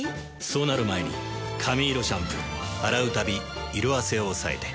そうなる前に「髪色シャンプー」洗うたび色あせを抑えて。